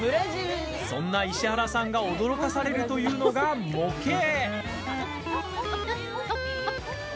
そんな石原さんが驚かされるというのが模型。